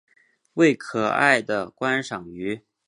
为可爱的观赏鱼。